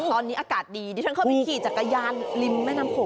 ตอนนี้อากาศดีดิฉันเข้าไปขี่จักรยานริมแม่น้ำโขง